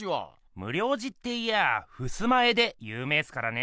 無量寺っていやあふすま絵でゆう名すからね。